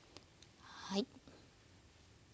はい。